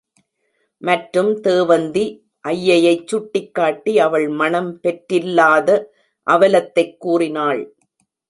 மற்றும் தேவந்தி ஐயையைச் சுட்டிக் காட்டி அவள் மணம் பெற்றில்லாத அவலத்தைக் கூறினாள்.